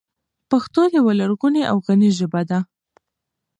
پښتو یوه لرغونې او غني ژبه ده.